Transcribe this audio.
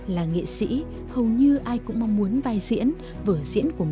là nghệ sĩ hầu như ai cũng mong muốn vai diễn vở diễn của mình